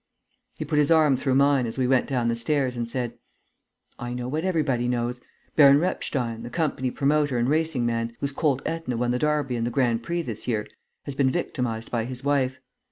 He put his arm through mine, as we went down the stairs, and said: "I know what everybody knows. Baron Repstein, the company promoter and racing man, whose colt Etna won the Derby and the Grand Prix this year, has been victimized by his wife.